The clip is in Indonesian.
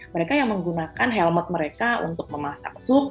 mereka yang menggunakan helmet mereka untuk memasak sup